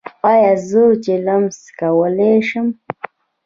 ایا زه چلم څکولی شم؟